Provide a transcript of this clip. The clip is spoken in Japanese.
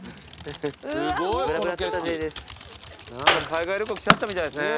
海外旅行来ちゃったみたいですね。